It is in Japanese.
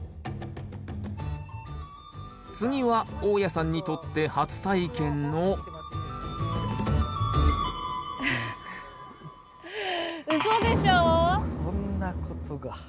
次は大家さんにとって初体験のこんなことが。